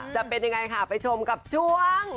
จะเป็นยังไงค่ะไปชมกับช่วง